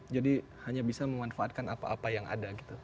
jadi hanya bisa memanfaatkan apa apa yang ada gitu